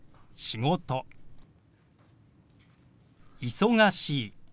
「忙しい」。